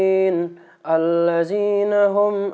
dan dia nggak bakal mandang sebelah mata seorang gulandari lagi